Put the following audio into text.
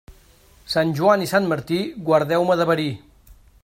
Sant Joan i Sant Martí, guardeu-me de verí.